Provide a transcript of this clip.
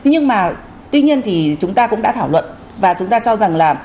nhưng mà tuy nhiên thì chúng ta cũng đã thảo luận và chúng ta cho rằng là